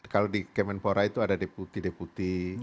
kalau di kemenpora itu ada deputi deputi